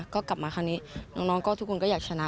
ก็กลับมาคราวนี้น้องก็ทุกคนก็อยากชนะ